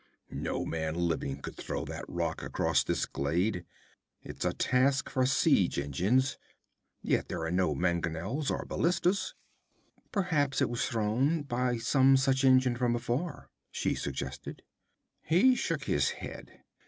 'No man living could throw that rock across this glade. It's a task for siege engines. Yet here there are no mangonels or ballistas.' 'Perhaps it was thrown by some such engine from afar,' she suggested. He shook his head.